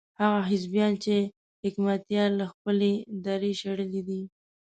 هغه حزبيان چې حکمتیار له خپلې درې شړلي دي.